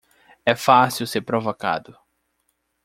É fácil ser provocado